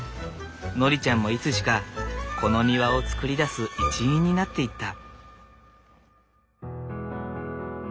典ちゃんもいつしかこの庭を造り出す一員になっていった。